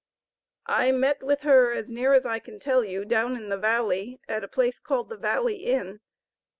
I met with her, as near as I can tell you, down in the valley, at a place called the Valley Inn.